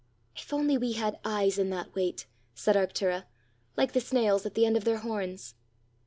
"If only we had eyes in that weight," said Arctura, "like the snails at the end of their horns!"